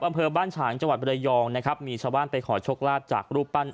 อำเภอบ้านฉางจังหวัดบรยองนะครับมีชาวบ้านไปขอโชคลาภจากรูปปั้น